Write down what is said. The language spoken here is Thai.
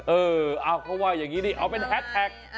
เออเขาว่าอย่างนี้ดิเอาเป็นแฮดแท็ก